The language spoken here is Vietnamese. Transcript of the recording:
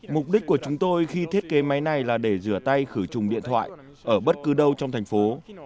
mục đích của chúng tôi khi thiết kế máy này là để rửa tay khử trùng điện thoại ở bất cứ đâu trong thành phố